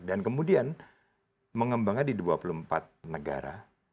dan kemudian mengembangkan di dua puluh empat negara